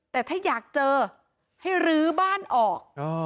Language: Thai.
แต่ถ้าอยากเจอให้รื้อบ้านออก